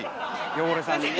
汚れさんにね。